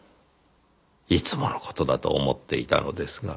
いつもの事だと思っていたのですが。